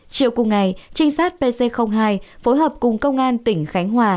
chiều cùng ngày trinh sát pc hai phối hợp cùng công an tỉnh khánh hòa